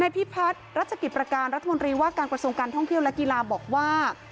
พิพัฒน์รัชกิจประการรัฐมนตรีว่าการกระทรวงการท่องเที่ยวและกีฬาบอกว่า